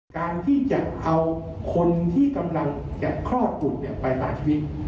การที่จะเอาคนที่กำลังจะคลอดลูกไปต่างชีวิต